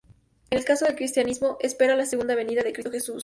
En el caso del cristianismo esperan la Segunda Venida de Cristo Jesús.